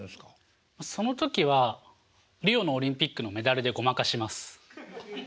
その時はリオのオリンピックのメダルでごまかします。